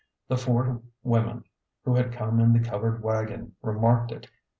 The four women who had come in the covered wagon remarked it.